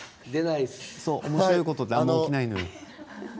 おもしろいことなんも起きないのよ。